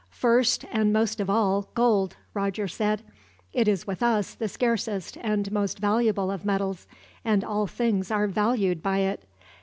"First, and most of all, gold," Roger said. "It is with us the scarcest and most valuable of metals, and all things are valued by it.